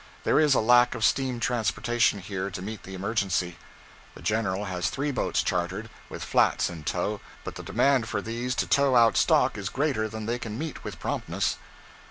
There is a lack of steam transportation here to meet the emergency. The General has three boats chartered, with flats in tow, but the demand for these to tow out stock is greater than they can meet with promptness.